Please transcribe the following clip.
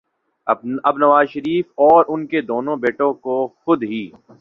اب نواز شریف اور ان کے دونوں بیٹوں کو خود ہی